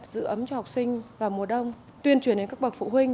giữ ấm cho học sinh vào mùa đông tuyên truyền đến các bậc phụ huynh